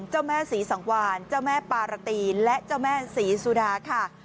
เจ้าแม่ศรีสังวานเจ้าแม่ปารตีและเจ้าแม่ศรีสุดาค่ะ